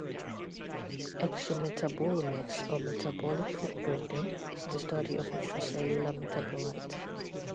Exometabolomics, or "metabolic footprinting", is the study of extracellular metabolites.